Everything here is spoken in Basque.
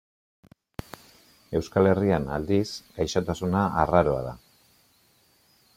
Euskal Herrian, aldiz, gaixotasuna arraroa da.